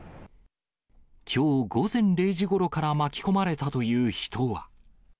きょう午前０時ごろから巻き込まれたという人は。